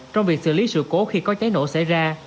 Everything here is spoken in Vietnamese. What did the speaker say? trong việc xử lý sự cố khi có cháy nổ xảy ra